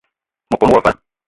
Me kon wo vala